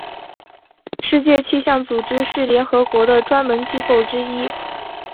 世界气象组织是联合国的专门机构之一。